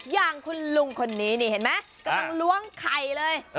อย่างคุณลุงคนนี้นี่เห็นไหมกำลังล้วงไข่เลย